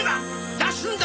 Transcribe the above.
出すんだ！